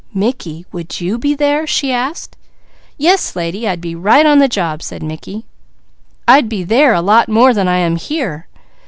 "Mickey, would you be there?" she asked. "Yes lady, I'd be right on the job!" said Mickey. "I'd be there a lot more than I am here.